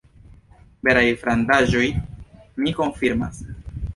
Veraj frandaĵoj, mi konfirmas.